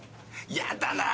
やだな。